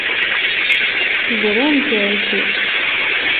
Brant-ak.